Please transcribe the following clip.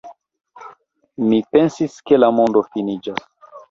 Mi pensis, ke la mondo finiĝas.